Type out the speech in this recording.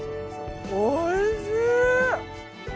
おいしい！